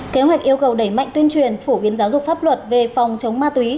kế hoạch yêu cầu đẩy mạnh tuyên truyền phổ biến giáo dục pháp luật về phòng chống ma túy